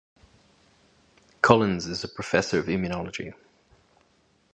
Collins is a professor of immunology.